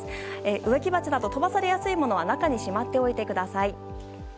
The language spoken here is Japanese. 植木鉢など飛ばされやすいものは中にしまっておいてください。